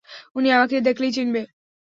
উনি আমাকে দেখলেই চিল্লাবে।